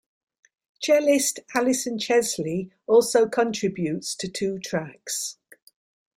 Cellist Alison Chesley also contributes to two tracks.